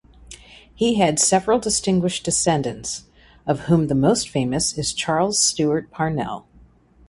He had several distinguished descendants of whom the most famous is Charles Stewart Parnell.